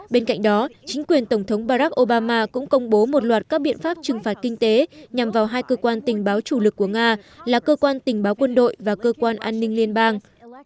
bên cạnh đó chính quyền tổng thống barack obama cũng công bố một loạt các biện pháp trừng phạt kinh tế nhằm vào hai cơ quan tình báo chủ lực của nga là cơ quan tình báo quân đội và cơ quan an ninh liên bang